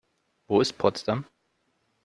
Wo ist Potsdam?